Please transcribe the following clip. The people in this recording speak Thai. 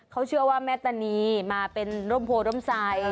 เขาเชื่อว่าแม่ตานีมาเป็นร่มโพร่มใส